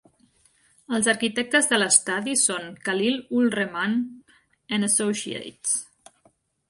Els arquitectes de l'estadi són Khalil-ur-Rehman and Associates.